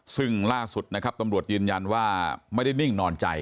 ซึ่งล่าสุดนะครับตำรวจยืนยันว่าไม่ได้นิ่งนอนใจ